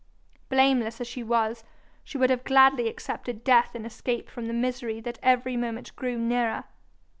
Blameless as she was, she would have gladly accepted death in escape from the misery that every moment grew nearer.